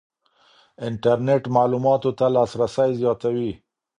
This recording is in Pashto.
انټرنېټ معلوماتو ته لاسرسی زیاتوي.